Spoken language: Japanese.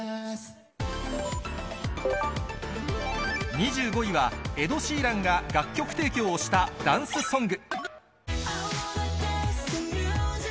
２５位は、エド・シーランが楽曲提供したダンスソング。